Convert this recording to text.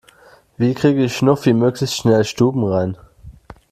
Wie kriege ich Schnuffi möglichst schnell stubenrein?